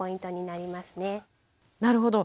なるほど。